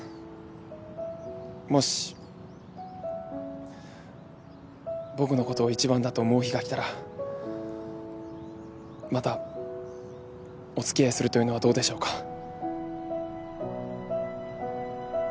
もし僕のことを一番だと思う日が来たらまたお付き合いするというのはどうでしょうか？